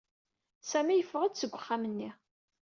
Sami yeffeɣ-d seg uxxam-nni.